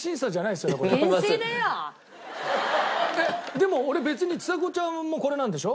でも俺別にちさ子ちゃんもこれなんでしょ？